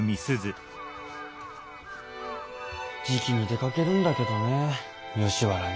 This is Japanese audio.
じきに出かけるんだけどね吉原に。